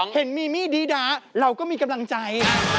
เห็นมีมี่ดีดาเราก็มีกำลังใจ